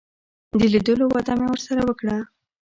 د لیدلو وعده مې ورسره وکړه.